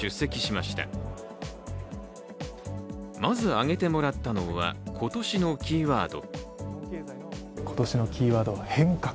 まず、挙げてもらったのは今年のキーワード。